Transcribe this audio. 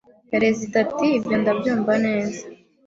Perezida ati ibyo ndabyumva neza